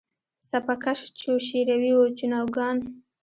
سپه کش چو شیروي و چون آوگان